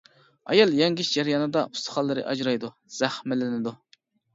ئايال يەڭگىش جەريانىدا ئۇستىخانلىرى ئاجرايدۇ، زەخىملىنىدۇ.